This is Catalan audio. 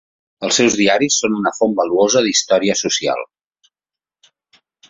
Els seus diaris són una font valuosa d'història social.